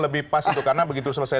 lebih pas itu karena begitu selesai